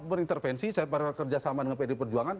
berintervensi saya pernah kerjasama dengan pd perjuangan